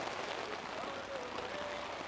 sawa na asilimia sitini na nne ni eneo la nchi kavu